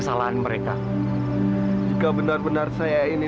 apa salah saya ki sehingga saya terkutuk seperti ini